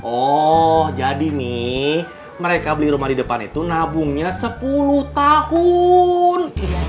oh jadi nih mereka beli rumah di depan itu nabungnya sepuluh tahun